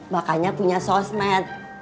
makanya punya sosmed